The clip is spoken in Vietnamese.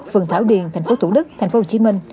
phường thảo điền tp thủ đức tp hcm